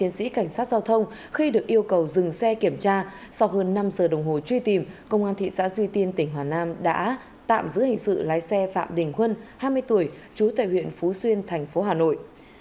trên sĩ cảnh sát giao thông khi được yêu cầu dừng xe kiểm tra sau hơn năm giờ đồng hồ truy tìm công an thị xã duy tiên tỉnh hà nam đã tạm giữ hình sự lái xe phạm đình huân hai mươi tuổi trú tại huyện phú xuyên thành phố hà nội